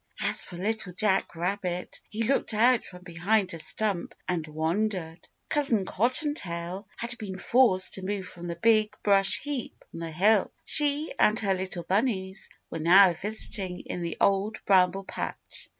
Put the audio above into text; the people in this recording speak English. As for Little Jack Rabbit, he looked out from behind a stump and wondered. Cousin Cotton Tail had been forced to move from the Big Brush Heap on the hill. She and her little bunnies were now visiting in the Old Bramble Patch.